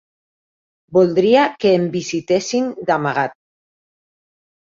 Voldria que em visitessin d'amagat.